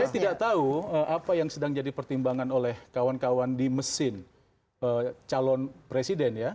saya tidak tahu apa yang sedang jadi pertimbangan oleh kawan kawan di mesin calon presiden ya